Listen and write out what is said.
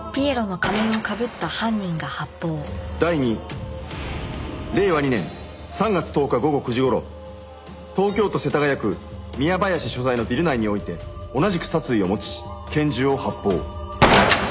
第二令和２年３月１０日午後９時頃東京都世田谷区宮林所在のビル内において同じく殺意を持ち拳銃を発砲。